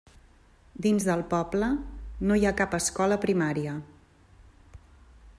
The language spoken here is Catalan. Dins del poble no hi ha cap escola primària.